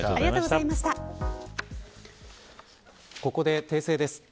ここで訂正です。